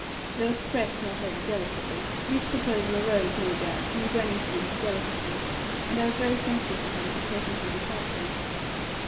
Though expressed not over delicately, this proposal arose, no doubt, from Gwenny's sense of delicacy; and I was very thankful to her for taking her departure.